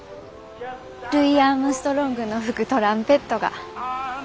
ルイ・アームストロングの吹くトランペットが。